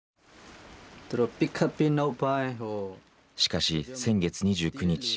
しかし、先月２９日。